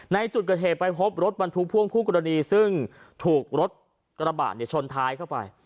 ในจุดเกิดเหตุไปพบรถบรรทุกพ่วงคู่กรณีซึ่งถูกรถกระบะชนท้ายเข้าไป